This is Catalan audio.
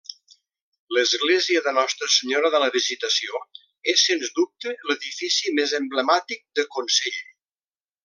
L'església de Nostra Senyora de la Visitació és, sens dubte, l'edifici més emblemàtic de Consell.